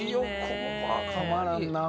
たまらんなぁ